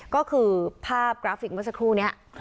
ก็คือภาพกราฟิกเมื่อสักครู่นี้